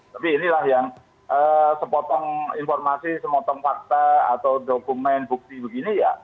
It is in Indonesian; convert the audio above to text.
tapi inilah yang sepotong informasi semotong fakta atau dokumen bukti begini ya